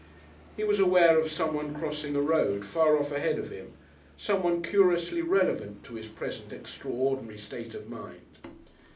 He was aware of someone crossing a road far off ahead of him, someone curiously relevant to his present extraordinary state of mind.